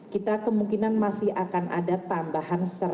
kita kemungkinan masih akan ada tambahan